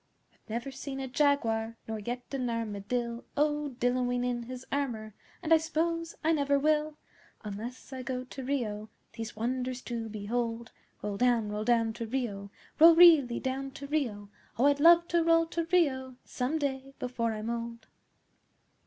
I've never seen a Jaguar, Nor yet an Armadill O dilloing in his armour, And I s'pose I never will, Unless I go to Rio These wonders to behold Roll down roll down to Rio Roll really down to Rio! Oh, I'd love to roll to Rio Some day before I'm old!